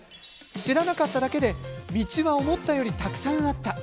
知らなかっただけで道は思ったよりたくさんあった。